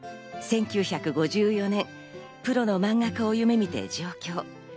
１９５４年、プロの漫画家を夢見て上京。